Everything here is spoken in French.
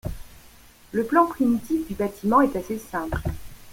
Le plan primitif du bâtiment est assez simple.